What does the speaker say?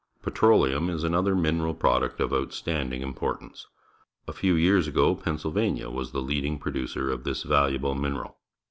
Petroleum is another mineral product of outstanding importance. A few years ago 134 PUBLIC SCHOOL GEOGRAPHY Pennsylvania was the leading producer of tliis valuable mineral.